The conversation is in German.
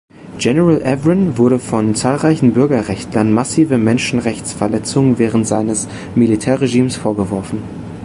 General Evren wurden von zahlreichen Bürgerrechtlern massive Menschenrechtsverletzungen während seines Militärregimes vorgeworfen.